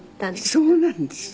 そうなんです。